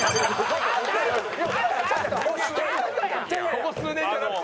ここ数年じゃなくて？